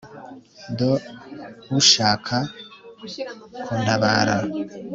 do ushaka kuntabara